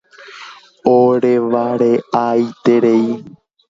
Orevare'aiterei.